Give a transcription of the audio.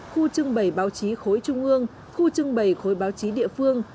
khu trưng bày báo chí khối trung ương khu trưng bày khối báo chí địa phương